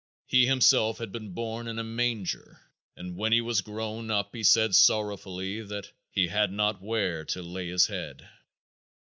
He himself had been born in a manger and when he was grown up he said sorrowfully that "he had not where to lay his head."